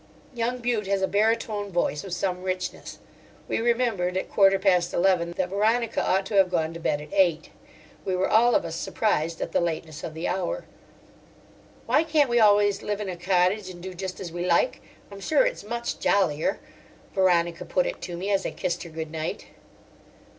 Young Bute has a baritone voice of some richness. We remembered at quarter past eleven that Veronica ought to have gone to bed at eight. We were all of us surprised at the lateness of the hour. "Why can't we always live in a cottage and do just as we like? I'm sure it's much jollier," Veronica put it to me as I kissed her good night.